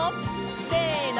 せの！